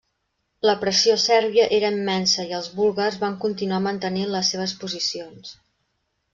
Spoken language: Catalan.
La pressió sèrbia era immensa i els búlgars van continuar mantenint les seves posicions.